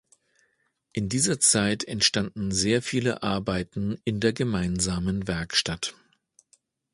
In dieser Zeit entstanden sehr viele Arbeiten in der gemeinsamen Werkstatt.